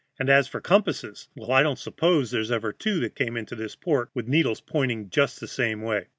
And as for compasses well, I don't suppose there's ever two that came into this port with needles pointing just the same way.